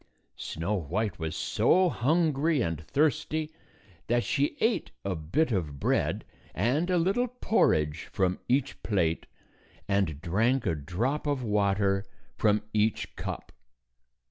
Snow White was so hungry and thirsty that she ate a bit of bread and a little porridge from each plate, and drank a drop of water from each cup.